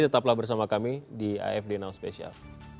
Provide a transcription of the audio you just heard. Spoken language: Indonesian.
tetaplah bersama kami di afd now spesial